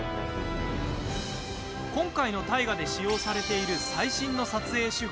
今回の大河で使用されている最新の撮影手法